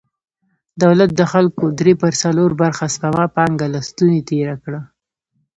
دولت د خلکو درې پر څلور برخه سپما پانګه له ستونې تېره کړه.